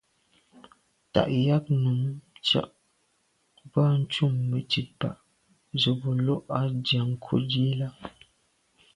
Tà yag num ntsiag yub ntùm metsit ba’ ze bo lo’ a ndian nkut yi là.